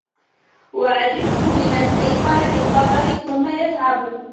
وَعَجِبْت لِمَنْ أَيْقَنَ بِالْقَدَرِ ثُمَّ يَتْعَبُ